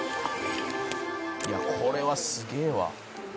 「これはすげえわ」